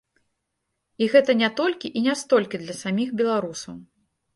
І гэта не толькі і не столькі для саміх беларусаў.